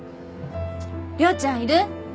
遼ちゃんいる？